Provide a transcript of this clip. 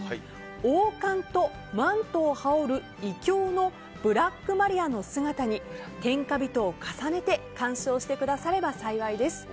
王冠とマントを羽織る異教のブラックマリアの姿に天下人を重ねて鑑賞してくだされば幸いです。